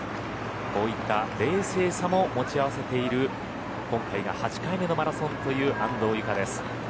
こういった冷静さも持ち合わせている今回が８回目のマラソンという安藤友香です。